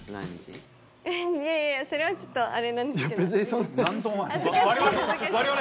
いやいやそれはちょっとあれなんですけど。